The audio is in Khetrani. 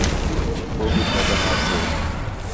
کُو بھی فائدہ نا تھے